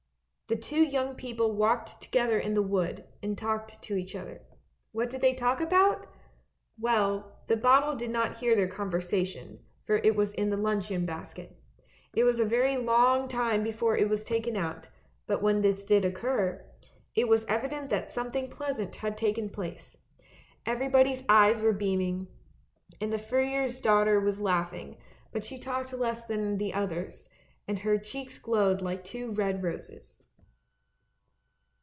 The two young people walked together in the wood, and talked to each other. What did they talk about? Well, the bottle did not hear their con versation, for it was in the luncheon basket. It was a very long time before it was taken out, but when this did occur, it was evident that something pleasant had taken place. Everybody's eyes were beaming, and the furrier's daughter was laughing, but she talked less than the others, and her cheeks glowed like two red roses.